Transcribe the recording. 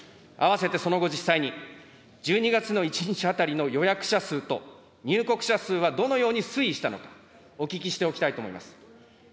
併せてその後、実際に１２月の１日当たりの予約者数と、入国者数はどのように推移したのか、お聞きしておきたいと思います。